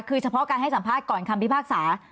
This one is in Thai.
คือเฉพาะการให้สัมภาษณ์ก่อนคำพิพากษา